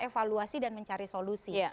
evaluasi dan mencari solusi